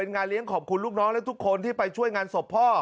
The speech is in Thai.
งานเลี้ยงขอบคุณลูกน้องและทุกคนที่ไปช่วยงานศพพ่อ